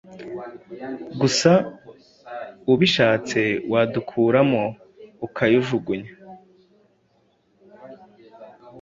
gusa ubishatse wadukuramo.ukayujugunya